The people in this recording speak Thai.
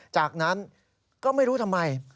จากนั้นก็ไม่รู้ทำไม